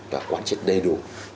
và quan trị đầy đủ